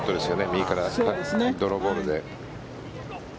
右からドローボールで。